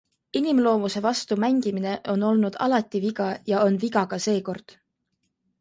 Inimloomuse vastu mängimine on olnud alati viga ja on viga ka seekord.